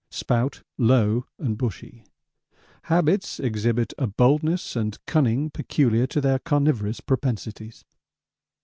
Spout 'low and bushy.' Habits exhibit a boldness and cunning peculiar to their carnivorous propensities.